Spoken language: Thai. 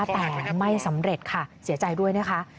แต่ไม่สำเร็จค่ะเสียใจด้วยนะคะ